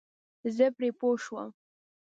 زه پرې پوه شوم.